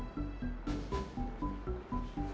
sejak kapan asma punya laptop